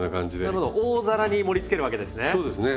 なるほど大皿に盛りつけるわけですね。